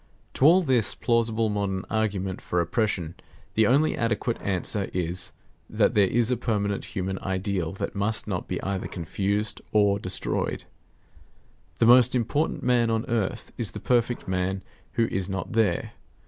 To all this plausible modern argument for oppression, the only adequate answer is, that there is a permanent human ideal that must not be either confused or destroyed. The most important man on earth is the perfect man who is not there.